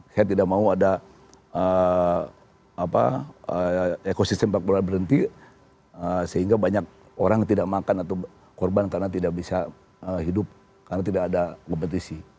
saya tidak mau ada ekosis sepak bola berhenti sehingga banyak orang yang tidak makan atau korban karena tidak bisa hidup karena tidak ada kompetisi